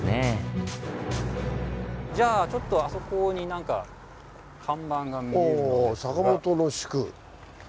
じゃあちょっとあそこに何か看板が見えるのですが。